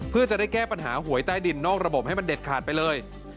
เพื่อจะได้แก้ปัญหาหวยใต้ดินนอกระบบให้มันเด็ดขาดไปเลย